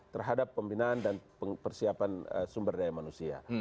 terhadap pembinaan dan persiapan sumber daya manusia